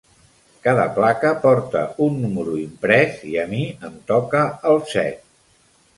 Cada placa porta un número imprès, i a mi em toca el set.